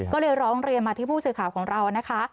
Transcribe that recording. ก็เลยร้องเรียนมาที่ผู้สื่อข่าวของเรานะคะ